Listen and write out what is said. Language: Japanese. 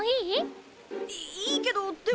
いいいけどでも。